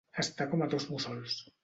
Estar com a dos mussols.